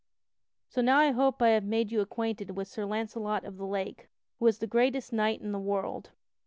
So now I hope I have made you acquainted with Sir Launcelot of the Lake, who was the greatest knight in the world.